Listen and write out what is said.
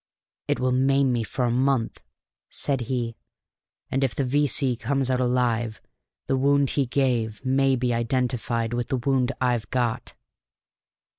"It will maim me for a month," said he; "and if the V.C. comes out alive, the wound he gave may be identified with the wound I've got."